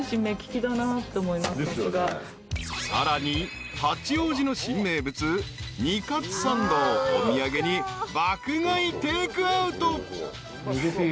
［さらに八王子の新名物煮かつサンドをお土産に爆買いテークアウト］